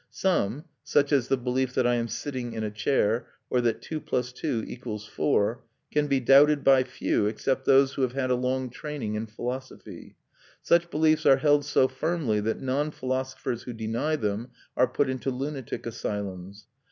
Some such as the belief that I am sitting in a chair, or that 2+2=4 can be doubted by few except those who have had a long training in philosophy. Such beliefs are held so firmly that non philosophers who deny them are put into lunatic asylums.